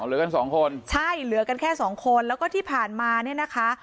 เหลือกันสองคนใช่เหลือกันแค่สองคนแล้วก็ที่ผ่านมาเนี่ยนะคะ